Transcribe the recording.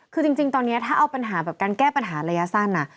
คือจริงตอนนี้ถ้าเอาปัญหาแบบการแก้ปัญหาระยะสั้น